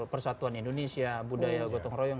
persatuan indonesia budaya gotong royong